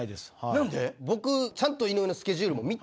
何で？